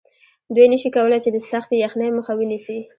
دوی نشي کولی چې د سختې یخنۍ مخه ونیسي